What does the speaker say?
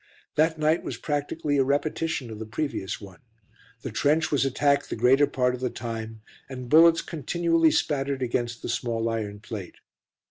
That night was practically a repetition of the previous one. The trench was attacked the greater part of the time, and bullets continually spattered against the small iron plate.